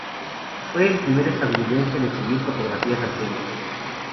Fue el primer estadounidense en exhibir fotografías al público.